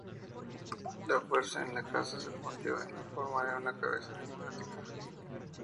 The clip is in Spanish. La fuerza en la casa se fundió en la forma de una cabeza demoníaca.